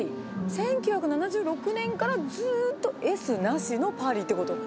１９７６年からずっとＳなしのパリってこと？